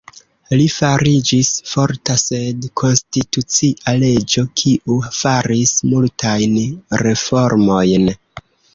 Li fariĝis forta sed konstitucia reĝo kiu faris multajn reformojn.